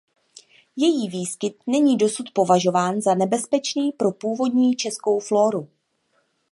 Její výskyt není dosud považován za nebezpečný pro původní českou flóru.